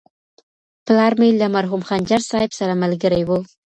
پلار مي له مرحوم خنجر صاحب سره ملګری و.